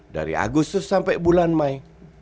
dari agustus sampai bulan mei